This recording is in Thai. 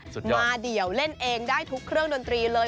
มาเดี่ยวเล่นเองได้ทุกเครื่องดนตรีเลย